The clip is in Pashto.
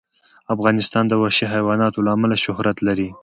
افغانستان د وحشي حیوانات له امله شهرت لري.